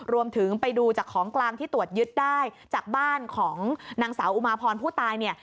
ไปดูจากของกลางที่ตรวจยึดได้จากบ้านของนางสาวอุมาพรผู้ตายเนี่ย